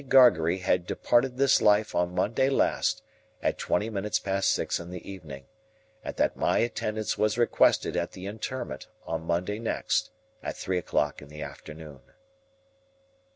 Gargery had departed this life on Monday last at twenty minutes past six in the evening, and that my attendance was requested at the interment on Monday next at three o'clock in the afternoon.